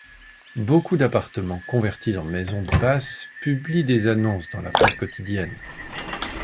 Beaucoup d'appartements convertis en maisons de passe publient des annonces dans la presse quotidienne.